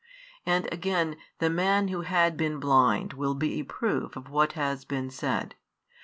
And again the man who had been blind will be a proof of what has been said.